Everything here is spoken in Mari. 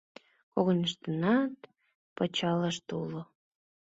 Когыньыштынат пычалышт уло.